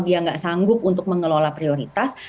dia nggak sanggup untuk mengelola prioritas